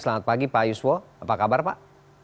selamat pagi pak yuswo apa kabar pak